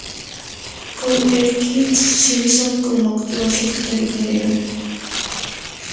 Con Erskine Simmons como actual Secretario General.